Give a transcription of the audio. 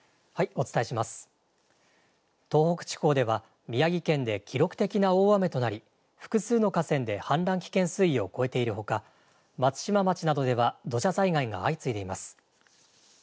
東北地方では、宮城県で記録的な大雨となり、複数の河川で氾濫危険水位を超えているほか、松島町などでは土砂災害が相次いでいます。